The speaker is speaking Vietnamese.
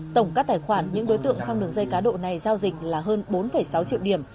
tổng các tài khoản những đối tượng trong đường dây cá độ này giao dịch là hơn bốn sáu triệu điểm